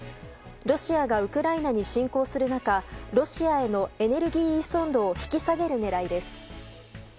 ロシアがウクライナに侵攻する中ロシアへのエネルギー依存度を引き下げる狙いです。